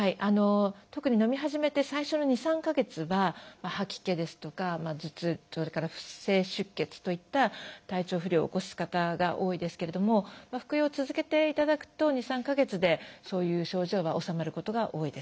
特にのみ始めて最初の２３か月は吐き気ですとか頭痛それから不正出血といった体調不良を起こす方が多いですけれども服用を続けていただくと２３か月でそういう症状は治まることが多いです。